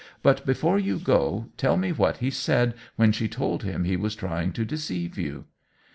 " But, before you go, tell me what he said when she told him he was trying to deceive you."